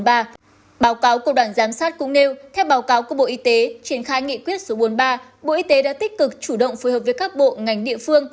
báo cáo của đoàn giám sát cũng nêu theo báo cáo của bộ y tế triển khai nghị quyết số bốn mươi ba bộ y tế đã tích cực chủ động phối hợp với các bộ ngành địa phương